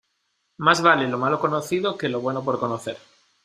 Más vale lo malo conocido que lo bueno por conocer.